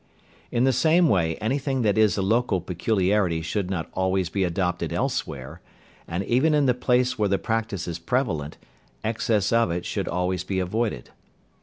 In the same way anything that is a local peculiarity should not always be adopted elsewhere, and even in the place where the practice is prevalent, excess of it should always be avoided.